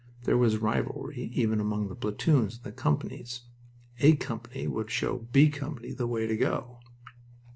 There was rivalry even among the platoons and the companies. "A" Company would show "B" Company the way to go!